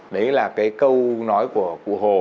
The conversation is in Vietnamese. đấy là cái câu nói của cụ hồ